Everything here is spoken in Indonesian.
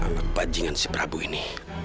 lepas dengan si prabu ini